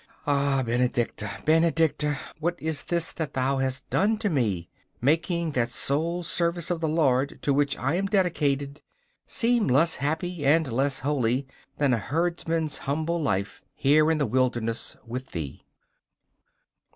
Ah, Benedicta, Benedicta, what is this that thou hast done to me? making that sole service of the Lord to which I am dedicated seem less happy and less holy than a herdsman's humble life here in the wilderness with thee!